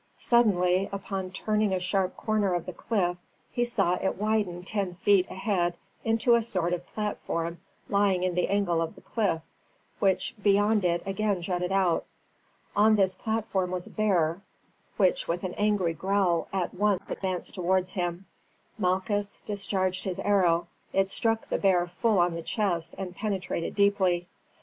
Suddenly, upon turning a sharp corner of the cliff, he saw it widened ten feet ahead into a sort of platform lying in the angle of the cliff, which beyond it again jutted out. On this platform was a bear, which with an angry growl at once advanced towards him. Malchus discharged his arrow; it struck the bear full on the chest, and penetrated deeply.